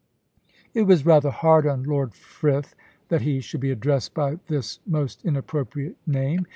It was rather hard on Lord Frith that he should be addressed by this most inappropriate name.